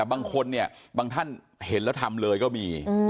บางคนเนี่ยบางท่านเห็นแล้วทำเลยก็มี